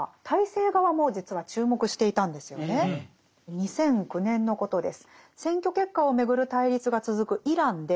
２００９年のことです。